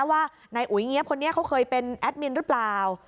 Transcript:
ว่านายอุ๋ยเงี๊ยบคนนี้เขาเคยเป็นแอดมินหรือเปล่า